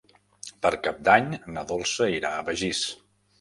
Per Cap d'Any na Dolça irà a Begís.